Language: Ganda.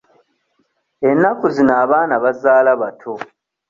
Ennaku zino abaana bazaala bato.